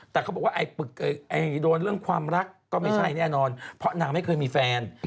แต่เขาบอกว่าโดนเรื่องความรักก็ไม่ใช่แน่นอนเพราะนางไม่เคยมีแฟน